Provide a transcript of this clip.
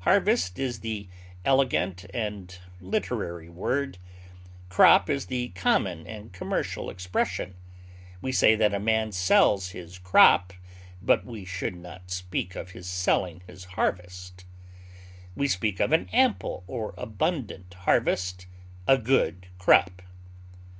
Harvest is the elegant and literary word; crop is the common and commercial expression; we say a man sells his crop, but we should not speak of his selling his harvest; we speak of an ample or abundant harvest, a good crop.